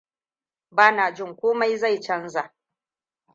Bana jin komai zai canza.